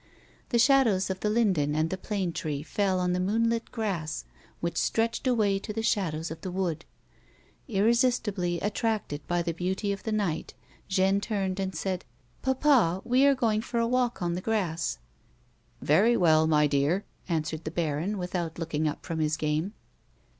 The shadows of the linden and the plane tree fell on the moon lit grass which stretched away to the shadows of the wood. Irresistibly attracted by the beauty of the night, Jeanne turned and said :" Papa, vie are going for a walk on the grass." " Very well, my dear," answered the baron, without look ing up from his game.